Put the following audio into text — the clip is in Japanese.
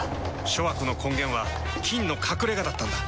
諸悪の根源は「菌の隠れ家」だったんだ。